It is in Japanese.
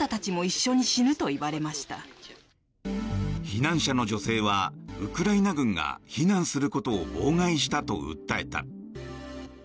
避難者の女性はウクライナ軍が避難することを妨害したと訴えた。